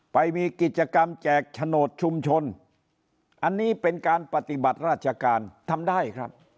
ไปมีกิจกรรมแจกโฉนดชุมชนอันนี้เป็นการปฏิบัติราชการทำได้ครับ